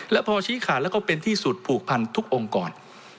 และพอชี้ขาดแล้วก็เป็นที่สุดผูกพันทุกองค์กร